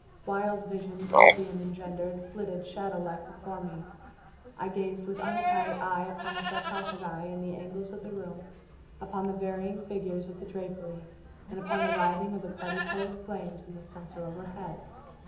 Wild visions, opium engendered, flitted, shadow like, before me. I gazed with unquiet eye upon the sarcophagi in the angles of the room, upon the varying figures of the drapery, and upon the writhing of the parti colored fires in the censer overhead.